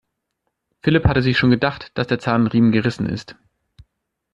Philipp hatte sich schon gedacht, dass der Zahnriemen gerissen ist.